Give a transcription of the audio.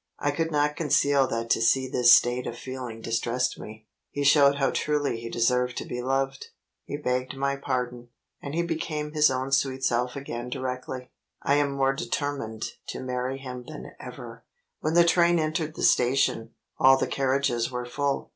I could not conceal that to see this state of feeling distressed me. He showed how truly he deserved to be loved he begged my pardon, and he became his own sweet self again directly. I am more determined to marry him than ever. When the train entered the station, all the carriages were full.